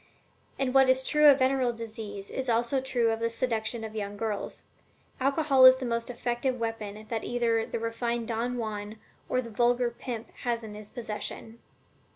And what is true of venereal disease is also true of the seduction of young girls. Alcohol is the most efficient weapon that either the refined Don Juan or the vulgar pimp has in his possession."